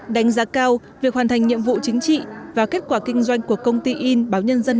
đánh giá cao việc hoàn thành nhiệm vụ chính trị và kết quả kinh doanh của công ty in báo nhân dân